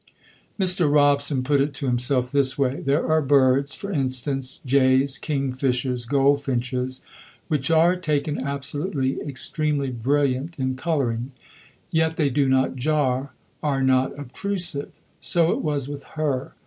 Mr. Robson put it to himself this way. There are birds for instance, jays, kingfishers, goldfinches which are, taken absolutely, extremely brilliant in colouring. Yet they do not jar, are not obtrusive. So it was with her.